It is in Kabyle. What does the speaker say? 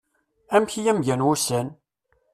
Amek i m-gan wussan?